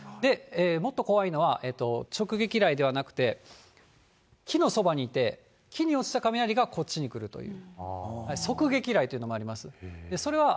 もっと怖いのは、直撃雷ではなくて、木のそばにいて、木に落ちた雷がこっちに来るという。